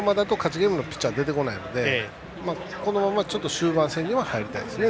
ゲームのピッチャーが出てこないので、このまま終盤戦には、入りたいですね